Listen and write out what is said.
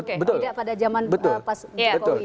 tidak pada jaman pas jokowi ini